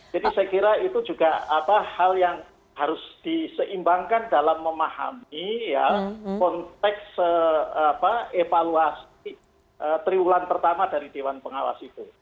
jadi saya kira itu juga hal yang harus diseimbangkan dalam memahami ya konteks evaluasi periwulan pertama dari dewan pengawas itu